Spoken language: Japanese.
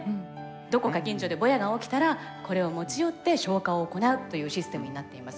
どこか近所でボヤが起きたらこれを持ち寄って消火を行うっていうシステムになっています。